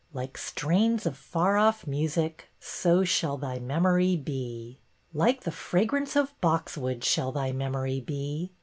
"' Like strains of far off music. So shall thy memory be.* '' Like the fragrance of boxwood shall thy memory be.